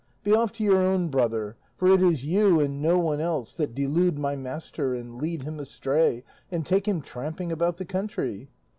Be off to your own, brother, for it is you, and no one else, that delude my master, and lead him astray, and take him tramping about the country."